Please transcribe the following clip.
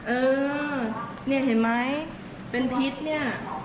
เออเนี่ยเห็นไหมเป็นพิษเนี่ย